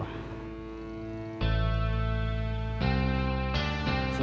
saya tahu ini karena siapa